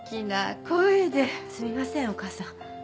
すみませんお母さん。